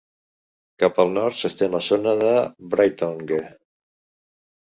Cap al nord s'estén la zona de Braetongue.